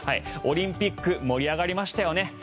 オリンピック盛り上がりましたよね。